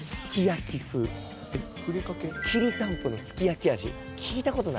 きりたんぽのすき焼き味聞いた事ないでしょ？